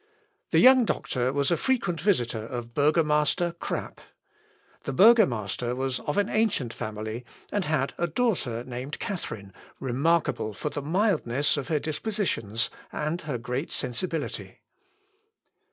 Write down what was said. The young doctor was a frequent visitor of Burgomaster Krapp. The burgomaster was of an ancient family, and had a daughter named Catharine, remarkable for the mildness of her dispositions, and her great sensibility.